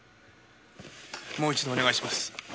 もう一度お願いします。